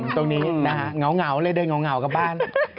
ตรงนี้นะฮะเหงาเลยเดินเหงากลับบ้าน